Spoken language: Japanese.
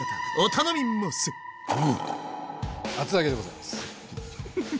厚揚げでございます。